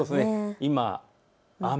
今、雨。